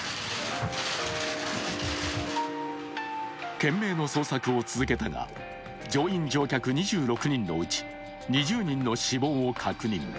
懸命の捜索を続けたが乗員・乗客２６人のうち２０人の死亡を確認。